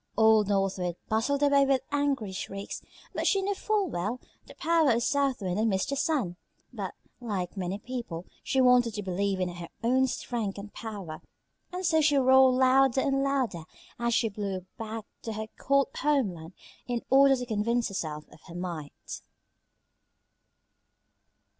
Old North Wind bustled away with angry shrieks, but she knew full well the power of South Wind and Mr. Sun, but, like many people, she wanted to believe in her own strength and power; and so she roared louder and louder as she blew back to her cold homeland in order to convince herself of her might.